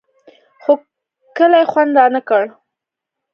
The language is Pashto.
خو کلي خوند رانه کړ.